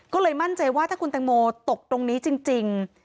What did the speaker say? ก็เลยมั่นใจว่าถ้าคุณแตงโมตกตรงนี้จริง